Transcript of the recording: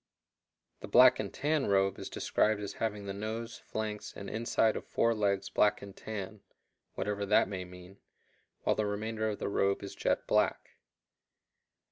The "black and tan robe" is described as having the nose, flanks, and inside of fore legs black and tan (whatever that may mean), while the remainder of the robe is jet black.